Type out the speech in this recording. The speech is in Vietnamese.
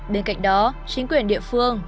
bên cạnh đó chính quyền địa phương